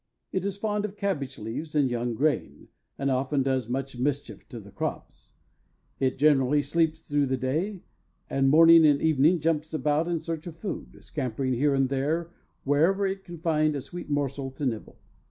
It is fond of cabbage leaves and young grain, and often does much mischief to the crops. It generally sleeps through the day, and morning and evening jumps about in search of food, scampering here and there wherever it can find a sweet morsel to nibble.